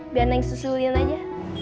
biar neng susulin aja